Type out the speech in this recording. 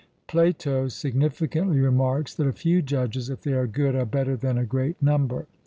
Plato significantly remarks that a few judges, if they are good, are better than a great number.